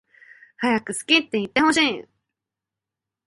はやく好きっていってほしい